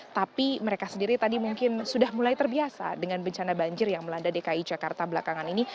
tapi mereka sendiri tadi mungkin sudah mulai terbiasa dengan bencana banjir yang melanda dki jakarta belakangan ini